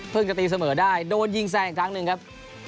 จะตีเสมอได้โดนยิงแซงอีกครั้งหนึ่งครับ